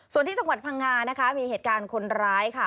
ส่วนที่จังหวัดพังงานะคะมีเหตุการณ์คนร้ายค่ะ